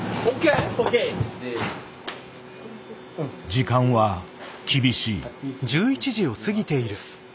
時間は厳しい。